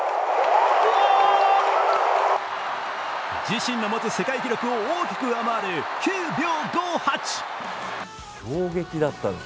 自身の持つ世界記録を大きく上回る９秒５８。